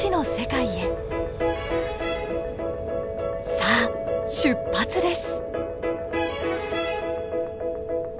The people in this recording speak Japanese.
さあ出発です！